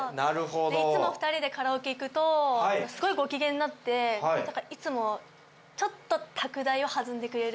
いつも２人でカラオケ行くとすごいご機嫌になってなんかいつもちょっとタク代を弾んでくれる。